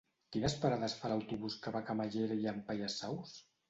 Quines parades fa l'autobús que va a Camallera i Llampaies Saus?